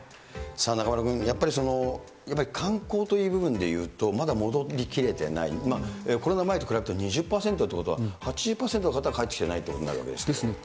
中丸君、やっぱり観光という部分でいうと、まだ戻りきれていない、コロナ前と比べると２０％ということは、８０％の方が帰ってきていないということになるわけですからね。ですね。